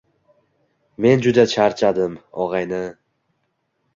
men juda charchadim, og‘ayni…